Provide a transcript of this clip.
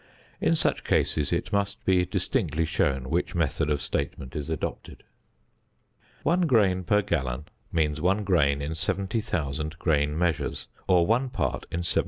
In such cases it must be distinctly shown which method of statement is adopted. One grain per gallon means 1 grain in 70,000 grain measures, or one part in 70,000.